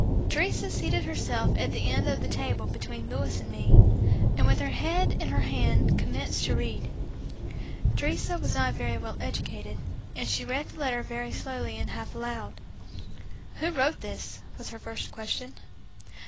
Teresa seated herself at the end of the table between Louis and me, and with her head in her hand commenced to read Teresa was not very well educated and she read the letter very slowly and half aloud. "Who wrote this?" was her first question.